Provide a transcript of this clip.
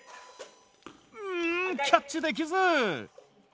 んキャッチできず！